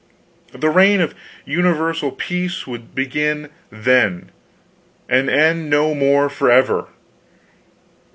The reign of universal peace would begin then, to end no more forever....